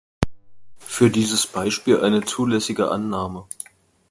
Für dieses Beispiel eine zulässige Annahme.